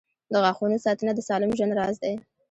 • د غاښونو ساتنه د سالم ژوند راز دی.